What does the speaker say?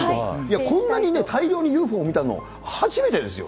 こんなに大量にＵＦＯ見たの初めてですよ。